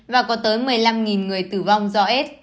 và có tới một mươi năm người tử vong do aids